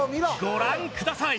ご覧ください。